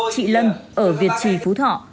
chị lan ở việt trì phú thọ